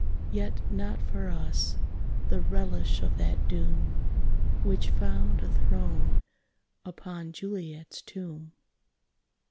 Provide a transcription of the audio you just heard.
Yet not for us the relish of that doom Which found a throne upon a Juliet's tomb.